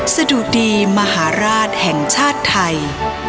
สะดุดีมหาราชแห่งชาติไทย